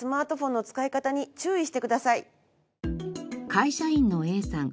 会社員のＡさん。